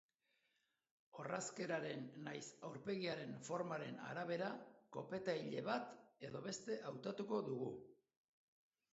Orrazkeraren nahiz aurpegiaren formaren arabera kopeta-ile bat edo beste hautatuko dugu.